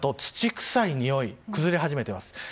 あと、土臭いにおい崩れ始めています。